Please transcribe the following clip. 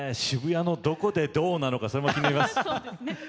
渋谷のどこでどうなのかそれも気になります。